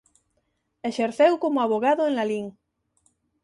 Exerceu como avogado en Lalín.